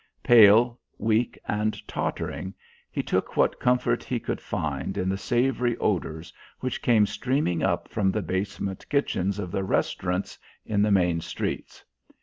Pale, weak, and tottering, he took what comfort he could find in the savoury odours which came streaming up from the basement kitchens of the restaurants in the main streets.